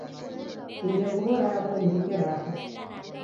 Inja nguw'o raw'o niw'ike rapo